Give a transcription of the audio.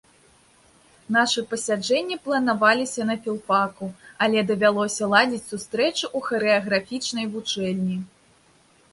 Нашы пасяджэнні планаваліся на філфаку, але давялося ладзіць сустрэчы ў харэаграфічнай вучэльні.